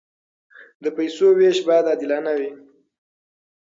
د پیسو وېش باید عادلانه وي.